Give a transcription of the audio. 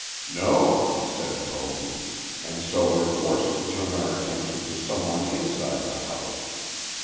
"No," said Carleton; "and so we're forced to turn our attention to some one inside the house.